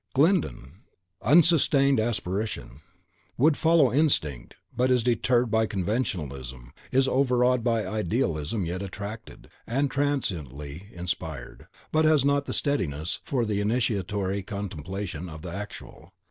GLYNDON: UNSUSTAINED ASPIRATION: Would follow Instinct, but is deterred by Conventionalism, is overawed by Idealism, yet attracted, and transiently inspired, but has not steadiness for the initiatory contemplation of the Actual.